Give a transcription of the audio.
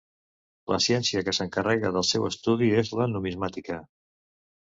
La ciència que s'encarrega del seu estudi és la numismàtica.